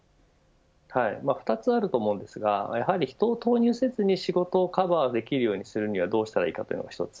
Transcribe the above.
２つあると思いますがやはり人を投入せずに仕事をカバーできるようにするにはどうしたらいいかというのが１つ。